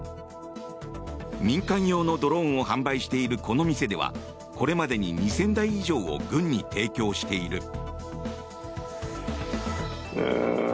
民間用のドローンを販売しているこの店ではこれまでに２０００台以上を軍に提供している。